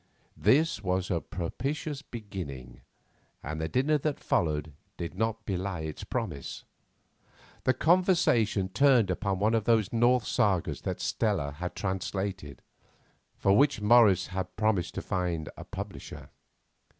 This was a propitious beginning, and the dinner that followed did not belie its promise. The conversation turned upon one of the Norse sagas that Stella had translated, for which Morris had promised to try to find a publisher.